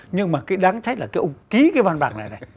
nhưng mà cái đáng trách là cái ủng ký cái văn bản này này